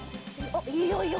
いいよいいよ！